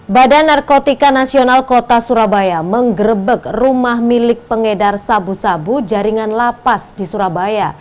badan narkotika nasional kota surabaya menggerebek rumah milik pengedar sabu sabu jaringan lapas di surabaya